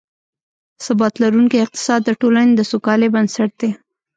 ثبات لرونکی اقتصاد، د ټولنې د سوکالۍ بنسټ دی